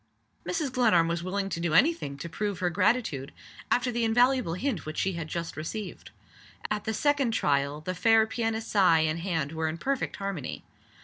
Mrs. Glenarm was willing to do any thing to prove her gratitude, after the invaluable hint which she had just received. At the second trial the fair pianist's eye and hand were in perfect harmony.